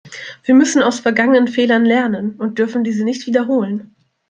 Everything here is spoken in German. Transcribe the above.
Wir müssen aus vergangenen Fehlern lernen und dürfen diese nicht wiederholen.